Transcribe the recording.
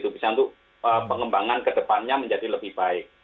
bisa untuk pengembangan ke depannya menjadi lebih baik